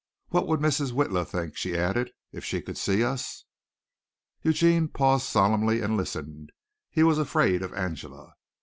"What would Mrs. Witla think," she added, "if she could see us?" Eugene paused solemnly and listened. He was afraid of Angela.